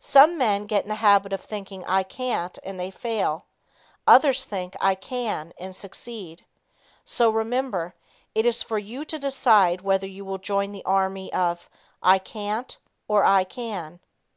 Some men get in the habit of thinking "I can't" and they fail. Others think "I can" and succeed. So remember, it is for you to decide whether you will join the army of "I can't" or "I can."